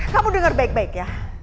kamu dengar baik baik ya